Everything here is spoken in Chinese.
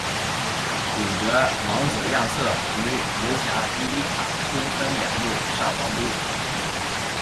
主角王子亚瑟与游侠迪迪卡兵分两路上王都。